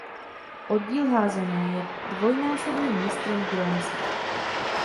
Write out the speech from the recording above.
Oddíl házené je dvojnásobným mistrem Grónska.